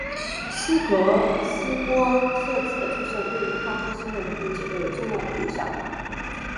希格斯玻色子的出现对于夸克星的稳定结构有重要的影响。